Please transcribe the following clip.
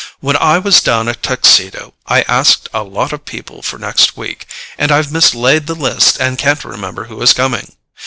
When I was down at Tuxedo I asked a lot of people for next week, and I've mislaid the list and can't remember who is coming.